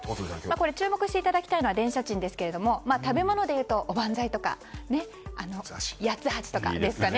注目していただきたいのは電車賃ですが食べ物で言うとおばんざいとか八つ橋とかですかね。